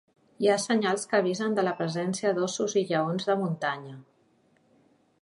Hi ha senyals que avisen de la presència d"ossos i lleons de muntanya.